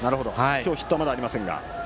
ヒットはまだありませんが。